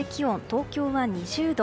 東京は２０度。